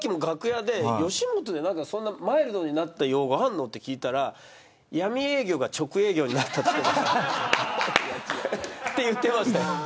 吉本でマイルドになった用語があるのって聞いたら闇営業が直営業になったって言ってました。